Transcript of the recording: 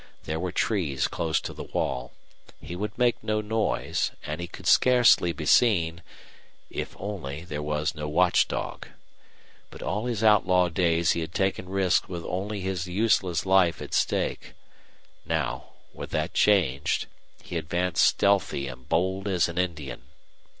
There were trees close to the wall. He would make no noise, and he could scarcely be seen if only there was no watch dog! But all his outlaw days he had taken risks with only his useless life at stake; now, with that changed, he advanced stealthy and bold as an Indian.